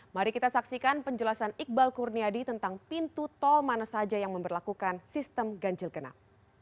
mari kita saksikan penjelasan iqbal kurniadi tentang pintu tol mana saja yang memperlakukan sistem ganjil genap